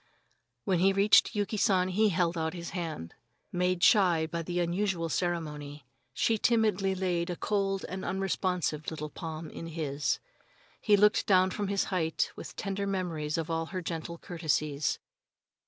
When he reached Yuki San he held out his hand. Made shy by the unusual ceremony, she timidly laid a cold and unresponsive little palm in his. He looked down from his height with tender memories of all her gentle courtesies.